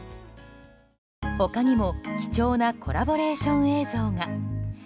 他にも貴重なコラボレーション映像が。